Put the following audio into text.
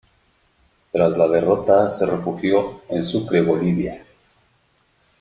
Tras la derrota, se refugió en Sucre, Bolivia.